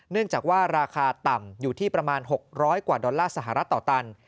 เนื่องจากว่าราคาต่ำอยู่ที่ประมาณ๖๐๐กว่าดอลลาร์สหรัฐต่อตัน